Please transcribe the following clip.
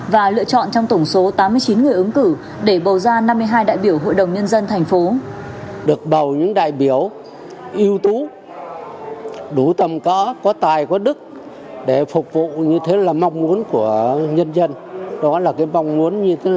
và lựa chọn trong tổng số tám mươi chín người ứng cử để bầu ra năm mươi hai đại biểu hội đồng nhân dân thành phố